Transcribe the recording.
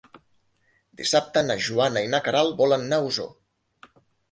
Dissabte na Joana i na Queralt volen anar a Osor.